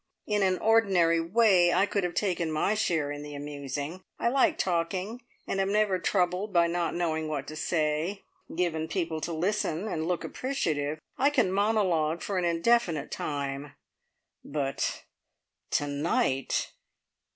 In an ordinary way I could have taken my share in the amusing; I like talking, and am never troubled by not knowing what to say. Given people to listen, and look appreciative, I can monologue for an indefinite time. But to night!